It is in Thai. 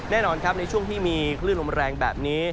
แน่นอนครับในช่วงที่มีคลื่นลมแรงแบบนี้